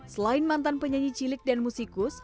selain mantan penyanyi cilik dan musikus